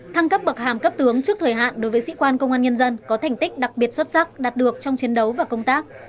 thăng cấp bậc hàm cấp tướng trước thời hạn đối với sĩ quan công an nhân dân có thành tích đặc biệt xuất sắc đạt được trong chiến đấu và công tác